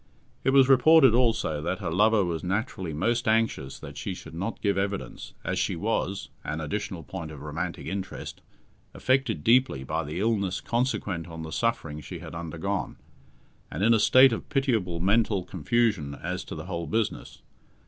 It was reported also that her lover was naturally most anxious that she should not give evidence, as she was an additional point of romantic interest affected deeply by the illness consequent on the suffering she had undergone, and in a state of pitiable mental confusion as to the whole business.